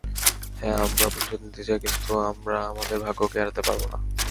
হ্যাঁ, আমরা প্রতিশোধ নিতে চাই, কিন্তু আমরা আমাদের ভাগ্যকে এড়াতে পারবো না।